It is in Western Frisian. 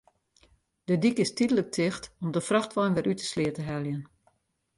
De dyk is tydlik ticht om de frachtwein wer út de sleat te heljen.